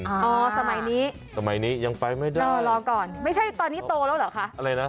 สมัยนี้สมัยนี้ยังไปไม่ได้โอ้รอก่อนไม่ใช่ตอนนี้โตแล้วหรอคะ